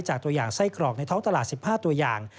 ตัวอย่างไส้กรอกในท้องตลาด๑๕ตัวอย่าง